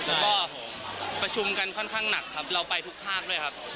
แล้วก็ประชุมกันค่อนข้างหนักครับเราไปทุกภาคด้วยครับ